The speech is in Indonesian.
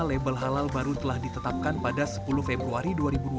label halal baru telah ditetapkan pada sepuluh februari dua ribu dua puluh